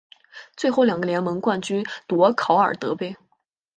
最后两个联盟冠军夺考尔德杯。